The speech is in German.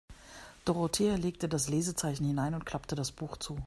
Dorothea legte das Lesezeichen hinein und klappte das Buch zu.